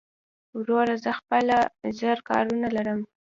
وروره زه خپله زر کارونه لرم